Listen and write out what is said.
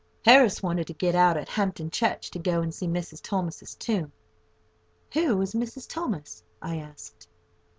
Harris wanted to get out at Hampton Church, to go and see Mrs. Thomas's tomb. "Who is Mrs. Thomas?" I asked.